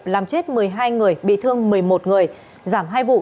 làm chết một mươi hai người bị thương một mươi một người giảm hai vụ